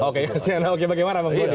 oke kasian ahoknya bagaimana pak budi